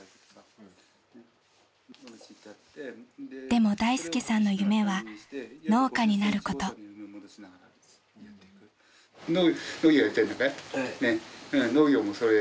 ［でも大介さんの夢は農家になること］農業もそれ。